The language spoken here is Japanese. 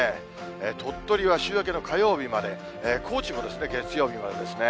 鳥取は週明けの火曜日まで、高知も月曜日までですね。